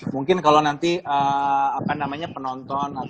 mungkin kalau nanti penonton atau peserta di sini